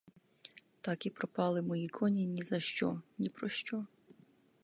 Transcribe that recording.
Так і пропали мої коні ні за що, ні про що.